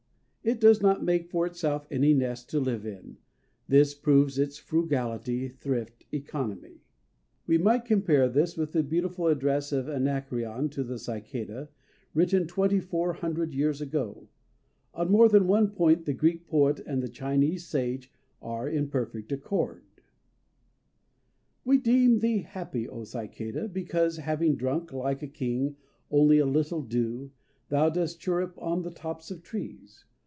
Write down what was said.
It does not make for itself any nest to live in. This proves its frugality, thrift, economy." We might compare this with the beautiful address of Anacreon to the cicada, written twenty four hundred years ago: on more than one point the Greek poet and the Chinese sage are in perfect accord: "_We deem thee happy, O Cicada, because, having drunk, like a king, only a little dew, thou dost chirrup on the tops of trees.